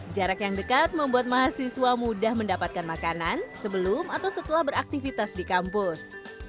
jarak yang dekat membuat mahasiswa mudah mendapatkan makanan sebelum atau setelah beraktivitas di kampus